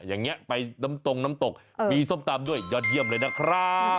อย่างนี้ไปน้ำตรงน้ำตกมีส้มตำด้วยยอดเยี่ยมเลยนะครับ